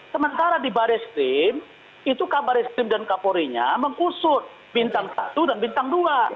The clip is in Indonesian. sementara di baris trim itu kak baris trim dan kak porinya mengusut bintang satu dan bintang dua